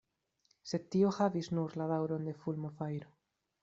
Sed tio havis nur la daŭron de fulmofajro.